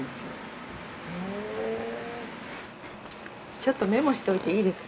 ちょっとメモしといていいですか？